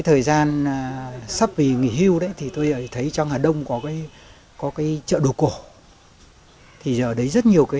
thời gian sắp vì nghỉ hưu đấy thì tôi thấy trong hà đông có cái chợ đồ cổ thì ở đấy rất nhiều cái